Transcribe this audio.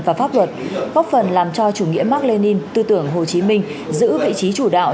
và pháp luật góp phần làm cho chủ nghĩa mark lenin tư tưởng hồ chí minh giữ vị trí chủ đạo